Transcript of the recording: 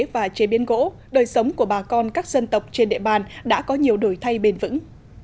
và chế biến gỗ đời sống của bà con các dân tộc trên địa bàn đã có nhiều đổi thay bền vững